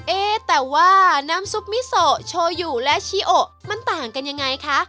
เอ๊แต่ว่าน้ำซุปมิโซโชยูและชิโอมันต่างกันยังไงคะ